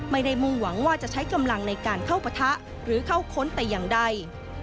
มุ่งหวังว่าจะใช้กำลังในการเข้าปะทะหรือเข้าค้นแต่อย่างใด